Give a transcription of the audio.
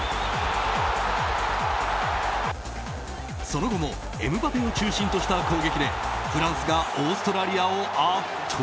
その後もエムバペを中心とした攻撃でフランスがオーストラリアを圧倒。